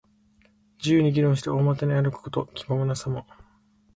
自由に議論して、大股に歩くこと。気ままなさま。